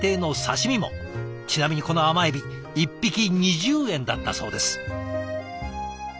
ちなみにこの甘エビ１匹２０円だったそうです。